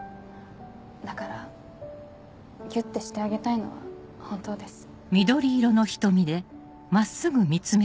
だからギュってしてあげたいのは本当です。